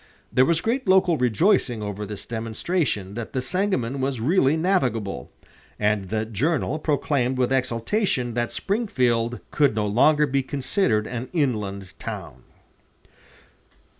There was great local rejoicing over this demonstration that the Sangamon was really navigable, and the "Journal" proclaimed with exultation that Springfield "could no longer be considered an inland town."